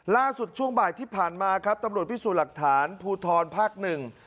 ช่วงบ่ายที่ผ่านมาครับตำรวจพิสูจน์หลักฐานภูทรภาคหนึ่ง